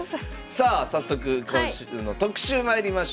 さあ早速今週の特集まいりましょう。